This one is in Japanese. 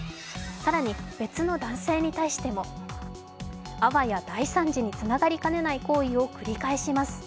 更に別の男性に対してもあわや大惨事につながりかねない行為を繰り返します。